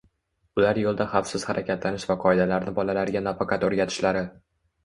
Ular yo‘lda xavfsiz harakatlanish va qoidalarni bolalariga nafaqat o‘rgatishlari